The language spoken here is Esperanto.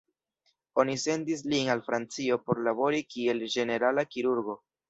Oni sendis lin al Francio por labori kiel ĝenerala kirurgo.